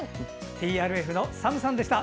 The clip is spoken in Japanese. ＴＲＦのＳＡＭさんでした。